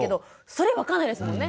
それ分かんないですもんね。